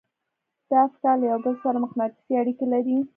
دا افکار له يو بل سره مقناطيسي اړيکې لري.